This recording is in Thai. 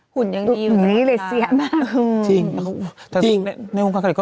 เค้าจะเดี๋ยวนั้นเนี่ย